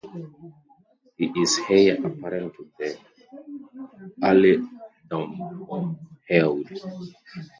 He is heir apparent to the earldom of Harewood.